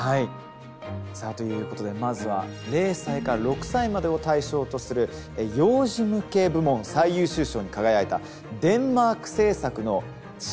さあということでまずは０歳から６歳までを対象とする幼児向け部門最優秀賞に輝いたデンマーク制作の「ちいさなトラさん」。